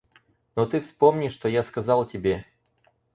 Но ты вспомни, что я сказал тебе.